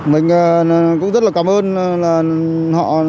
mình cũng rất là cảm ơn họ